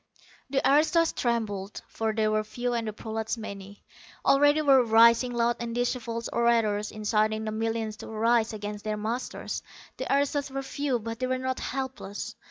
__The aristos trembled, for they were few, and the prolats many. Already were arising loud and disheveled orators, inciting the millions to arise against their masters. The aristos were few, but they were not helpless.